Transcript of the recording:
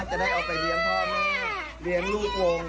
จะได้เอาไปเลี้ยงพ่อแม่เลี้ยงลูกวง